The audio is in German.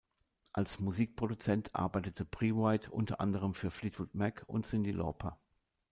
Als Musikproduzent arbeitete Previte unter anderem für Fleetwood Mac und Cyndi Lauper.